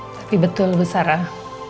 tapi betul lu sarah